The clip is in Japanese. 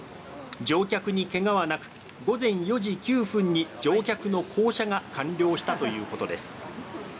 乗客にけがはなく、午前４時９分に乗客の降車が完了したということです。